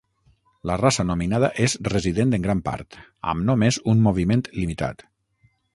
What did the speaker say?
La raça nominada és resident en gran part, amb només un moviment limitat.